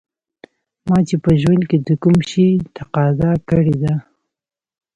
ما چې په ژوند کې د کوم شي تقاضا کړې ده